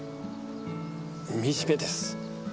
惨めです。